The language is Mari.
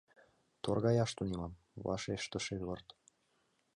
— Торгаяш тунемам, — вашештыш Эдвард.